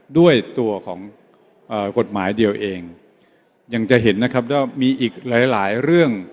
ด้วยตัวของกฎหมายเดียวเองยังจะเห็นนะครับว่ามีอีกหลายหลายเรื่อง